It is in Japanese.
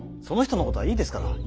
その人のことはいいですから。